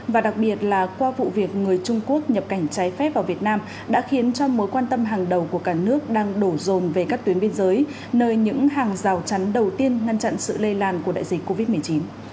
và đặc biệt là qua vụ việc người trung quốc nhập cảnh trái phép vào việt nam đã khiến cho mối quan tâm hàng đầu của cả nước đang đổ rồn về các tuyến biên giới nơi những hàng rào chắn đầu tiên ngăn chặn sự lây lan của đại dịch covid một mươi chín